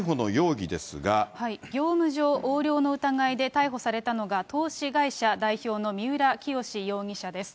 業務上横領の疑いで逮捕されたのが、投資会社代表の三浦清志容疑者です。